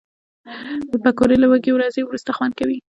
پکورې له وږې ورځې وروسته خوند کوي